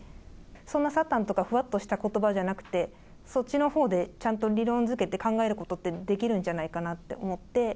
そんなサタンとかふわっとしたことばじゃなくて、そっちのほうでちゃんと理論づけて考えることって、できるんじゃないかなと思って。